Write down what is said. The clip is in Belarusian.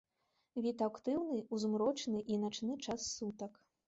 Від актыўны ў змрочны і начны час сутак.